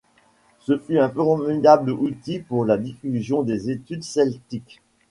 Ce fut un formidable outil pour la diffusion des études celtiques.